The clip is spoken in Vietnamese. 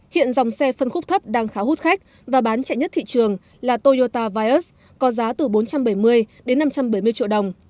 hiện dòng xe phân khúc thấp đang khá hút khách và bán chạy nhất thị trường là toyota vios có giá từ bốn trăm bảy mươi đến năm trăm bảy mươi triệu đồng